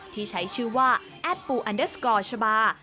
ที่ใช้ชื่อว่าแอดปูอันเดอร์สกอร์ชบา